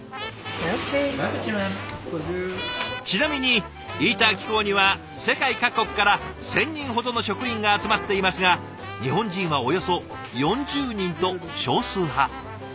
ちなみにイーター機構には世界各国から１，０００人ほどの職員が集まっていますが日本人はおよそ４０人と少数派。